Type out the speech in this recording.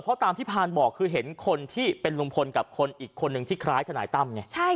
เพราะตามที่พานบอกคือเห็นคนที่เป็นลุงพลกับคนอีกคนนึงที่คล้ายทนายตั้มไง